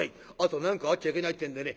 「後何かあっちゃいけないってんでね